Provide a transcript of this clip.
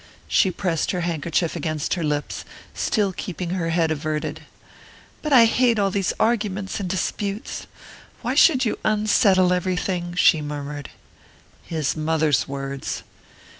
She pressed her handkerchief against her lips, still keeping her head averted. "But I hate all these arguments and disputes. Why should you unsettle everything?" she murmured. His mother's words!